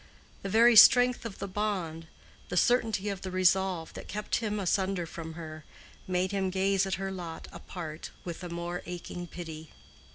The very strength of the bond, the certainty of the resolve, that kept him asunder from her, made him gaze at her lot apart with the more aching pity.